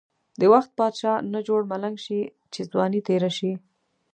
د وخت بادشاه نه جوړ ملنګ شی، چی ځوانی تیره شی.